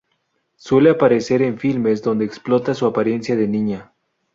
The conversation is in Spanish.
Suele aparecer en filmes donde explota su apariencia de niña.